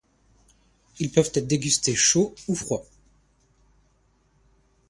Ils peuvent être dégustés chauds ou froids.